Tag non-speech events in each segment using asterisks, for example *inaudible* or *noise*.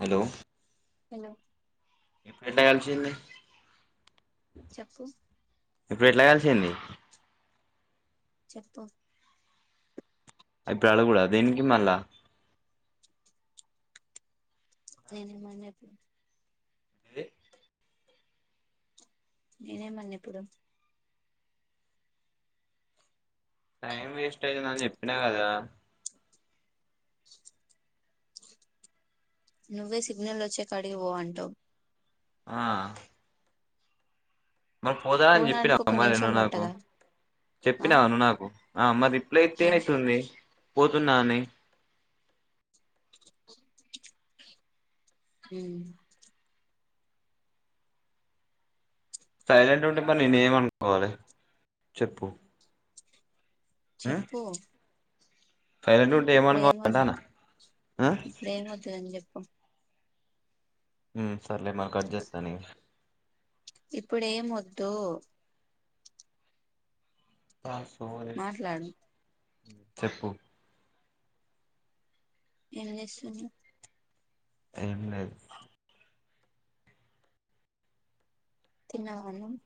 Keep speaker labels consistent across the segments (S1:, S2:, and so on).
S1: Hello
S2: hello
S1: ఎప్పుడెండ కలిసింది
S2: చప్పు
S1: ఇప్పుడు ఎట్ల కలిసింది
S2: చెప్పు
S1: ఇప్పుడు అనకూడద దీనికి మళ్ళా
S2: నిజమానెపుడు
S1: ఏది
S2: నేనే మన్నఇపుడు
S1: టైం వేస్ట్ అయిందని చెప్పినా కదా
S2: నువ్వే సిగ్నల్ వచ్చే కాడికి పో అంటావ్
S1: ఆ మరి పోతానని
S2: పోవడానికి
S1: చెప్పినావు
S2: ఒక
S1: మరి
S2: నిమిషం
S1: నువ్వు నాకు
S2: పట్టదా ఆ
S1: చెప్పినావు నువ్వు నాకు ఆ మరి రిప్లై ఇత్తేనే
S2: ఏం
S1: ఇస్తుంది పోతున్నా అని
S2: ఉమ్
S1: సైలెంట్ ఉంటే మరి నేను ఏం అనుకోవాలి చెప్పు ఉ
S2: చెప్పు
S1: సైలెంట్ ఉంటే ఏమనుకోవాలి
S2: ఇప్పుడేమద్దు
S1: అంటానా ఆ
S2: ఇప్పుడేమవుతుందని చెప్
S1: ఉ సర్లే మరి కర్జెత్తన ఇగ
S2: ఇప్పుడేం వొద్దు
S1: బ సోది
S2: మాట్లాడు
S1: చెప్పు
S2: ఏం చేస్తున్నవ్
S1: ఏం లేద్
S2: తిన్నావ నువ్వు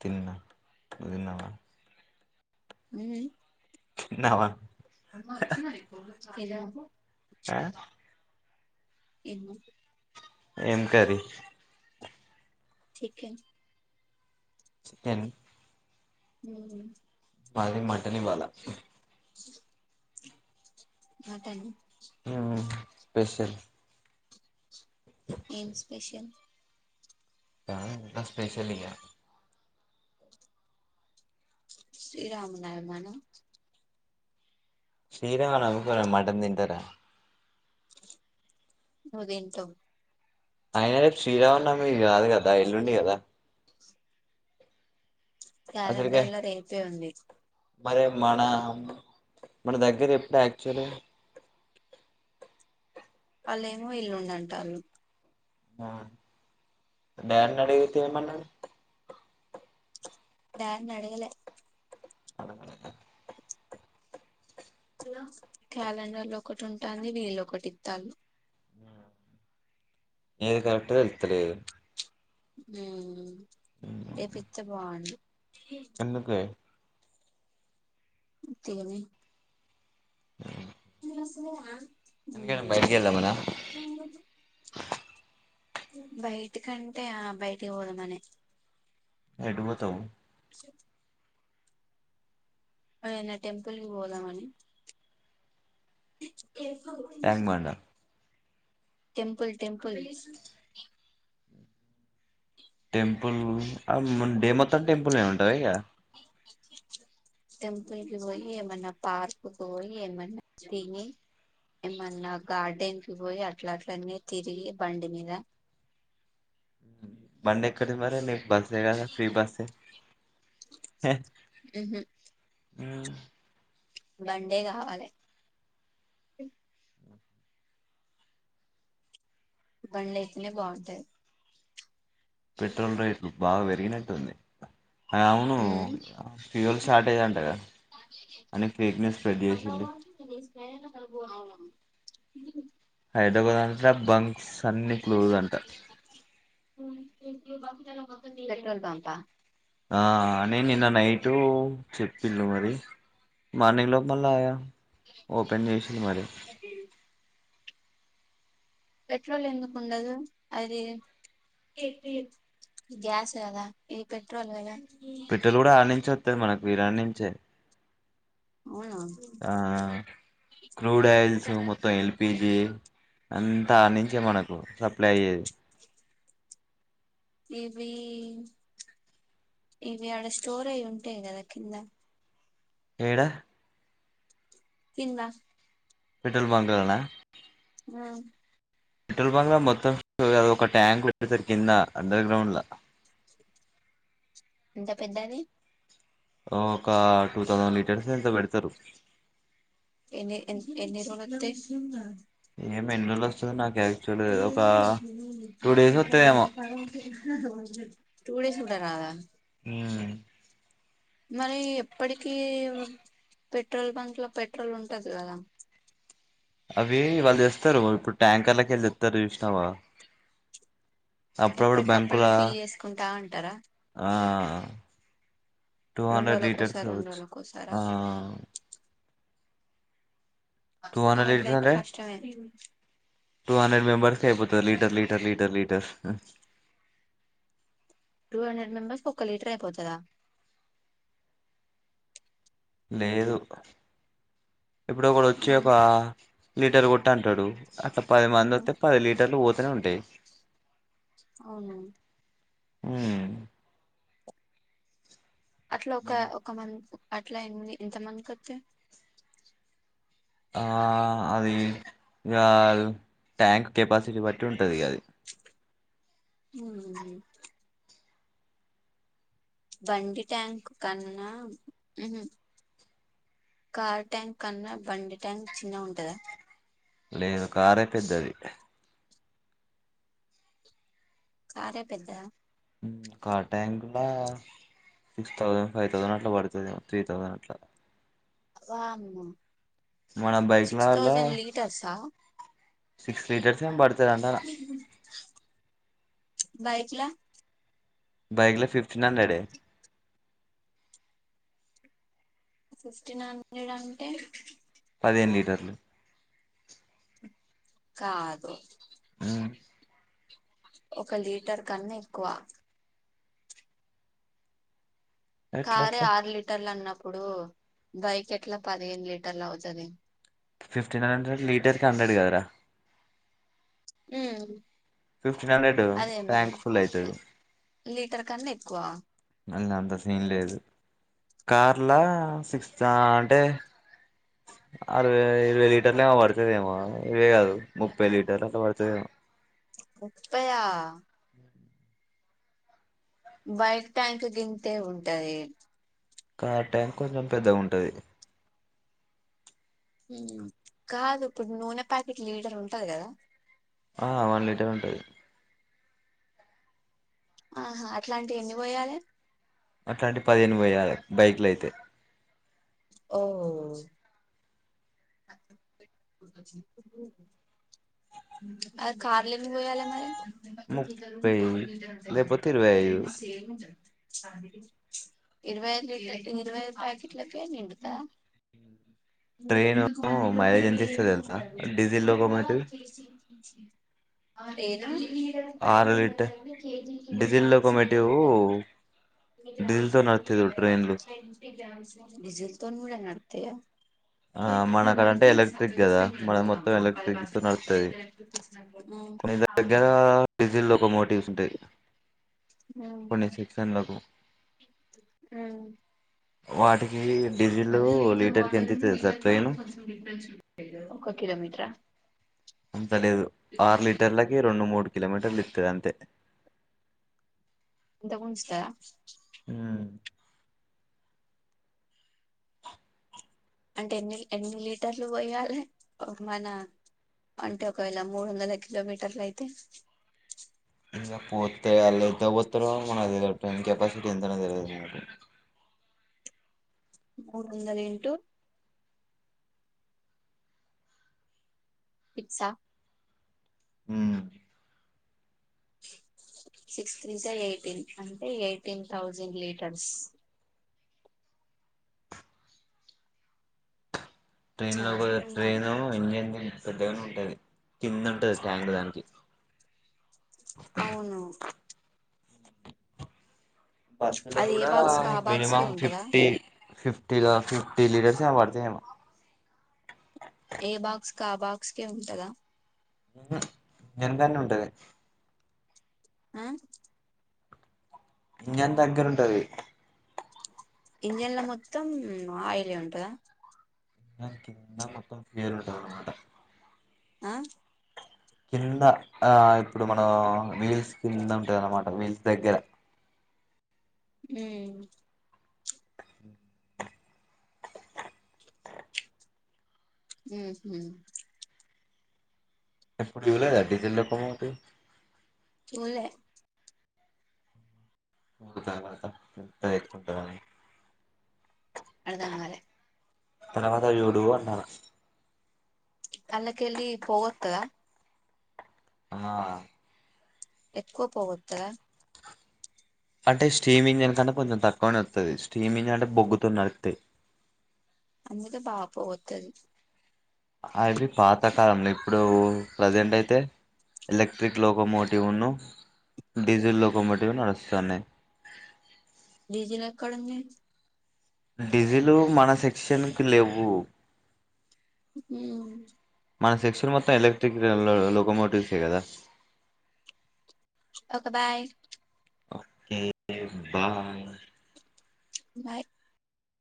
S1: తిన్నా నూతిన్నవ
S2: హ్మ్
S1: తిన్నావా
S2: అమ్మా వచ్చిన నేపో ఏది ఆపు
S1: ఆ
S2: ఏంది
S1: ఏం కర్రి
S2: చికెన్
S1: చికెన్
S2: ఉమ్
S1: మాది మ టన్ ఇవాల
S2: జ మటన్
S1: స్పెషల్
S2: ఏం స్పెషల్
S1: ఆ స్పెషలేగా
S2: శ్రీరామనవమనే
S1: శ్రీరామనవమి కి ఎవరైన మటన్ తింటార
S2: నుతింటావ్
S1: అయన రేపు శ్రీరామనవమి కాదు గద ఎల్లుండి కదా అసలుకే
S2: క్యాలెండర్ లో రేపే ఉంది
S1: మరి మన మన దగ్గర ఎప్పుడు యాక్చువల్
S2: వాళ్ళేమో ఎల్లుండంటారు
S1: ఆ డాడ్ని అడిగితే ఏ మన్నారు
S2: డాడ్ ని అడగలే
S1: అదద
S2: క్యాలెండర్లు ఒకటి ఉంటాంది వీళ్ళు ఒకటి ఇత్తారు
S1: ఏది కరక్ట్ గా తెలీదు
S2: హ్మ్ రేపిత్తే బాగుండు
S1: ఎందుకే
S2: తేనే
S1: *unintelligible*
S2: సంది
S1: ఎందుకైన బయటకి వెళ్దాం అలా
S2: బయటి కంటే ఆ బయటికి పోదామనె
S1: ఎటు బోతావ్
S2: *unintelligible* ఏమన్న టెంపుల్కి పోదామని ఎఫ
S1: tank bund
S2: temple temple
S1: temple ఆ డేమొ త్త టెంపుల్లనే ఉంవా ఇగ
S2: టెంపుల్ కి పోయి ఏమన్నా పార్క్ కి పోయి ఏమన్నా తిని ఏమన్నా గార్డెన్ కి పోయి అట్లా అట్లనే తిరిగి బండి మీద
S1: బందెక్కడిది మరే ని బస్ఏ కద ఫ్రీ బస్ఏ హ
S2: మ్ హు
S1: హు
S2: బండే కావాలే బండ్లు అయితేనే బాగుంటది
S1: పెట్రోల్ రేట్లు బాగా పెర్ గినటుంది అవును
S2: మ్మ్
S1: ఫ్యూల్ షార్టేజ్ అంట గా అని ఫేక్ న్యూస్ స్ప్రెడ్ చేసింది
S2: ఏభవు
S1: హైదరాబాద్ అంత బం సన్నీ క్లుజ్ అంట
S2: పెట్రోల్ పంపా
S1: ఆ అని నిన్న నైటు చెప్పిళ్ళు మరి మార్నింగ్ లోపల ఆ ఓపెన్ చేసిళ్ళు మరి
S2: పెట్రోల్ ఎందుకు ఉండదు అది గ్యాస్ కదా ఇది పెట్రోల్ కదా
S1: పెట్రోల్ కూడా ఆన్నించె ఒత్తది మనకు ఇరాన్నించే
S2: అవును
S1: ఆ క్రూడ్ ఆయిల్స్ మొత్తం ఎల్పి పిజీ అంతా ఆనించే మనకు సప్లై అయ్యేది
S2: ఇవి ఇవి ఆడ స్టోర్ అయి ఉంటాయి కదా కింద
S1: ఏడ
S2: కింద
S1: పెట్రోల్ బంక్లనా
S2: ఆ
S1: పెట్రోల్ బంక్ లో మొత్తం అది ఒక ట్యాంక్ పెడ్ తరు కింద అండర్గ్రౌండ్ల
S2: ఎంత పెద్దది
S1: ఒక టూ థౌజండ్ లీటర్స్ ఎంతో పెడుతరు
S2: ఎన్ని ఎన్ ఎన్నిరోలోతై
S1: ఏం ఎండ్రోలోస్తదో నాక్ డేస్ వత్తయేమో
S2: టూ డేస్ కూడా రాదా
S1: మ్ హు
S2: మరి ఎప్పటికిీ పెట్రోల్ బంక్ లో పెట్రోల్ ఉంటది కదా
S1: అవి వాళ్ళు చేస్తారు ఇప్పుడు ట్యాంకర్లకి వెళ్ళి తెత్తారు చూసినావా అప్పుడప్పుడు బ్యాంకుల
S2: ఎప్పటికప్పటికి ఫిల్ చేసుకుంటా అంటారా
S1: ఆ టూ
S2: రెండు
S1: హండ్రెడ్ లీటర్స్
S2: రోజులకోసారి రెండు
S1: కావచ్చు
S2: రోజులకోసారా
S1: ఆ టూ హండ్రెడ్ లీటర్స్
S2: అట్లయితే
S1: అంటే
S2: కష్టమే
S1: టూ హండ్రెడ్ మెంబర్స్ కి అయిపోతది లీటర్ లీటర్ లీటర్ లీటర్ ఆ
S2: టూ హండ్రెడ్ మెంబర్స్కు ఒక్క లీటర్ అయిపోతదా
S1: లేదు ఇప్పుడు ఒకడు వచ్చి ఒక లీటర్ కొట్టు అంటడు అ పది మంది పది లీటర్లు ఒక ఇక్కడే ఉంటాయి
S2: అవును
S1: ఊ
S2: అట్ల ఒక
S1: ఉమ్
S2: ఒక మంచి అట్ల ఎన్ని ఎంత మందికి వత్తయి
S1: ఆ అది ఇగ ట్యాంక్ కెపాసిటీ బట్టి ఉంటది ఇగ ఆది
S2: హూ బండి ట్యాంక్ కన్నా ఉహు కార్ ట్యాంక్ కన్నా బండి ట్యాంక్ చిన్నగ ఉంటదా
S1: లేదు కారే పెద్దది
S2: కారే పెద్దద
S1: హు కార్ ట్యాంక్ లా సిక్స్ థౌసండ్ ఫైవ్ థౌసండ్ అట్ల పడుతది ఏమో త్రీ థౌసండ్ అట్లా
S2: వామ్మో
S1: మన
S2: సిక్స్
S1: బైక్లల
S2: థౌజండ్ లీటర్సా
S1: సిక్స్ లీటర్స్ ఏం పడుతది అంటన్న
S2: బైక్ లా
S1: బైక్ ల ఫిఫ్టీన్ హండ్రెడే
S2: ఫిఫ్టీన్ హండ్రెడ్ అంటే
S1: పదిహేను లీటర్లు
S2: కాదు ఒక లీటర్ కన్న ఎక్కువ
S1: ఎట్ల
S2: కారే
S1: ఎట్లా
S2: ఆరు లీటర్లు అన్నప్ ఆప్పుడు బైక్ ఎట్లా పదిహేను లీటర్లు అవతది
S1: ఫిఫ్టీన్ హండ్రెడ్ లీటర్ కి హండ్రెడ్ కదరా
S2: హు
S1: ఫిఫ్టీన్ హండ్రెడ్ ట్యాంక్ పుల్ అయితది
S2: లీటర్ కన్న ఎక్కువ
S1: మళ్ళ అంత సీన్ లేదు కార్ల సిక్స్ అంటే అరవై ఇరవై లీటర్లు ఏమో పడుతదేమో ఇరవై కాదు ముప్పై లీటర్లు అట్ల పడుతదేమో
S2: ముప్పయా బైక్ ట్యాంక్ గింతే ఉంటది
S1: కార్ ట్యాంక్ కొంచెం పెద్దగా ఉంటది
S2: హు కాదు ఇప్పుడు నూనె ప్యాకెట్ లీటర్ ఉంటది కదా
S1: ఆ వన్ లీటర్ ఉంటది
S2: ఆహా అట్లాంటివి ఎన్ని పొయ్యాలే
S1: అట్లాంటివి పదిహేను బొయ్యలే బైక్లో అయితే
S2: ఓ అ కార్లో ఎన్ని పోయాల మరి నెంబర్ చూపిస్తారు
S1: ముప్పై
S2: పావు లీటర్ ఉంటాయి జూడు
S1: లేకపోతే ఇరవై
S2: అ
S1: ఐదు
S2: రెండు సేమ్ ఉంటాయి ఇరవై ఐదు లీటర్ ఇరవై ఐదు ప్యాకెట్లకే నిండుద
S1: తైరు
S2: two hundred two hundred mileage ఉంటది
S1: డీజిల్
S2: నువ్వునా
S1: లోకోమోటివ్
S2: తీసి
S1: ఆరు లీటర్ డీజిల్ లోకోమోటివ్
S2: *inaudible*
S1: డీజిల్ తో నడుత్తది చూడు ట్రైన్లు
S2: *inaudible*
S1: ఆ
S2: అంటే
S1: మన అడంటే
S2: వాడికి
S1: ఎలక్ట్రిక్ కదా
S2: సక్కగిస్తే
S1: మన
S2: రోగం
S1: మొత్తం
S2: ఒక పది
S1: ఎలక్ట్రిక్ తో
S2: పర్సెంట్ తక్కువ
S1: నడుతుంది
S2: రేట్ల చూపించినప్పుడు
S1: కొన్ని దగ్గర జిల్ ఒక మోటివ్స్ ఉంటాయి కొన్ని సెక్షన్లకు వాటికి డిజెల్లు
S2: మళ్ళ
S1: ఒక
S2: లీటర్
S1: లిటర్ క
S2: వాటర్ ఒక కిలోమీటర్ *inaudible*
S1: అంత లేదు ఆరు
S2: కదా
S1: లీటర్లకి రెండు మూడు కిలోమీటర్లు ఇత్తది అంతే తే
S2: ఎంత ఉంచుదా
S1: ఉమ్
S2: అంటే ఎన్ని ఎన్ని లీటర్లు పోయాలి మన అంటే ఒకవేళ మూడు వందల కిలోమీటర్లు అయితే
S1: దే వాళ్ళ ఎల్తకపోతేరో మనకు టైన్ కెపాసిటీ ఎంతనో తెలవదు మన
S2: మూడువందల ఏంటూ ఫిక్స్ ఆ
S1: ఉమ్
S2: సిక్స్ త్రీజా ఎయిటీన్ అంటే ఎయిటీన్ థౌజండ్ లీటర్స్
S1: ట్రైన్ లో పోతే
S2: చార్జింగ్ పోయాలి
S1: ట్రైన్ను ఇంజన్ పెద్దగానే ఉంటంది కింద ఉంటది ట్యాంక్ దానికి
S2: అవును
S1: బస్ లో
S2: అది ఏ
S1: కూడా
S2: బాక్స్ కా ఆ బాక్స్ కే
S1: మినిమం
S2: ఉంటదా
S1: ఫిఫ్టి ఫిఫ్టీలో ఫిఫ్టీ లీటర్స్ ఏమో పడుతా ఏమో
S2: ఏ బాక్స్ క ఆ బాక్స్ కే ఉంటదా
S1: ఉమ్ దేందది ఉంటది
S2: ఆ
S1: ఇంజన్ దగ్గరంటది
S2: ఇంజన్ల మొత్తం అయిలి ఉంటద
S1: ఇనికిదిందా మొత్తం ఫరుంట అనమాట
S2: ఆ
S1: కింద ఆ ఇప్పుడు మనం వీల్స్ కింద ఉంటుందన్నమాట వీల్స్ దగ్గర.
S2: ఊ
S1: *inaudible*
S2: ఊ హ
S1: ఎప్పుటి చులేదా డిజెల్ లో కమతు
S2: చులే
S1: అతరువాత ఎంతా ఎతుకుంటా అని
S2: అర్ధం కాలే
S1: తరవాతవి చూడు అంటాన
S2: అల్లాకిలి పోగత్తదా
S1: అమ్మా
S2: ఏక్కువ పొగత్తదా.
S1: అంటే స్టీమి ఇంజిన్ కన్న కొంచెం తక్కువనే వత్తది. స్టీమి ఇంజిన్ అంటే బొగ్గుతున్నట్టే
S2: అంటే బాగా పొగత్తది
S1: అవి పాతకాలంలో ఇప్పుడు ప్రజెంట్ అయితే ఎలక్ట్రిక్ లో ఒక మోటివ్ను డీజిల్ లో ఒక మోటివ్ నడుస్తున్నాయి.
S2: డిజిల్ ఎక్కడుంది
S1: డీజిల్ మన సెక్షన్కి లేవు.
S2: ఉ
S1: మన సెక్స్లు మొత్తం ఎలక్ట్రిక్ లోకమోటివ్సే కదా.
S2: Okay bye
S1: okay bye
S2: bye